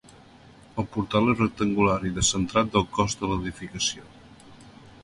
El portal és rectangular i descentrat del cos de l'edificació.